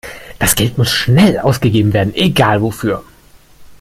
Das Geld muss schnell ausgegeben werden, egal wofür.